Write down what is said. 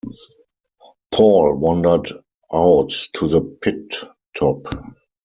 Paul wandered out to the pit-top.